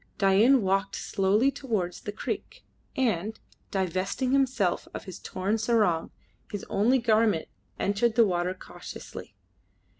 Dain walked slowly towards the creek, and, divesting himself of his torn sarong, his only garment, entered the water cautiously.